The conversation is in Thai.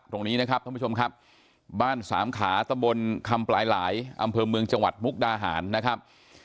ตรงนี้นะครับท่านผู้ชมครับบ้านสามขาตะบนคำปลายหลายอำเภอเมืองจังหวัดมุกดาหารนะครับ